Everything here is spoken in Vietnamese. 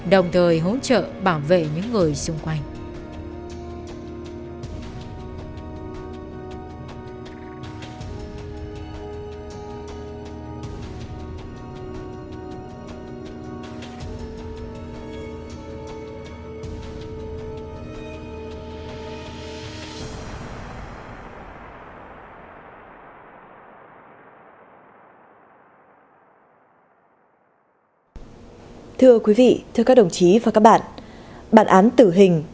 đồng thời hỗ trợ bảo vệ những người xung quanh